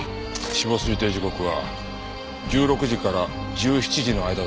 死亡推定時刻は１６時から１７時の間だな。